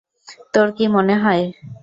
তোর কী মনে হয়?